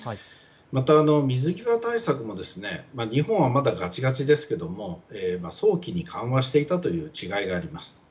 また、水際対策も日本はまだガチガチですが早期に緩和していたという違いがあります。